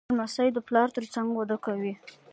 لمسی د پلار تر څنګ وده کوي.